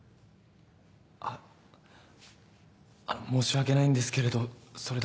あっ申し訳ないんですけれどそれだと。